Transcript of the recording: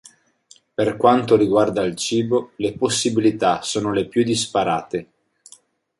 Per quanto riguarda il cibo le possibilità sono le più disparate.